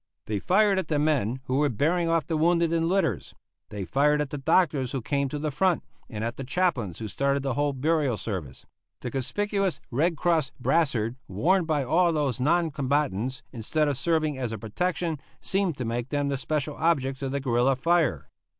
They fired at the men who were bearing off the wounded in litters; they fired at the doctors who came to the front, and at the chaplains who started to hold burial service; the conspicuous Red Cross brassard worn by all of these non combatants, instead of serving as a protection, seemed to make them the special objects of the guerilla fire.